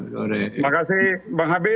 terima kasih bang habib